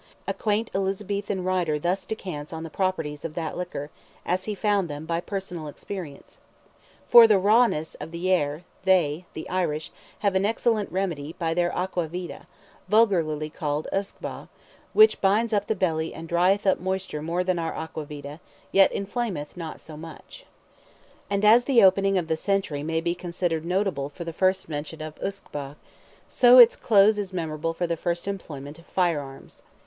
A quaint Elizabethan writer thus descants on the properties of that liquor, as he found them, by personal experience: "For the rawness (of the air) they (the Irish) have an excellent remedy by their Aqua Vitae, vulgarly called Usquebagh, which binds up the belly and drieth up moisture more than our Aqua Vitae, yet inflameth not so much." And as the opening of the century may be considered notable for the first mention of Usquebagh, so its close is memorable for the first employment of fire arms.